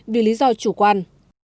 vì lý do chủ quan